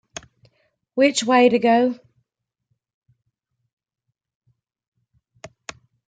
Which way to go?